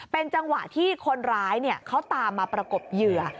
เป็นจังหวะที่คนร้ายเขาตามมาประกบเหยื่อ